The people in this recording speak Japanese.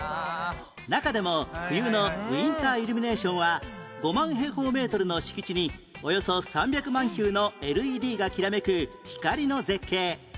中でも冬のウインターイルミネーションは５万平方メートルの敷地におよそ３００万球の ＬＥＤ がきらめく光の絶景